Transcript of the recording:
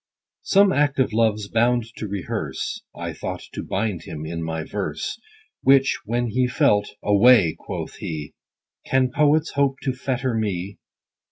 SOME act of LOVE'S bound to rehearse, I thought to bind him in my verse : Which when he felt, Away, quoth he, Can poets hope to fetter me